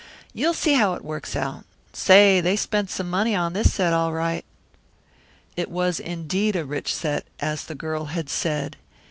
You'll see how it works out. Say, they spent some money on this set, all right." It was indeed a rich set, as the girl had said.